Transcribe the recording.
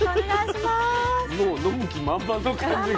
もう飲む気満々の感じが。